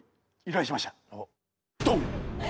ドン！